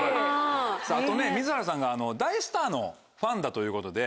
あとね水原さんが大スターのファンだということで。